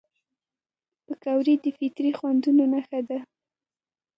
پکورې د فطري خوندونو نښه ده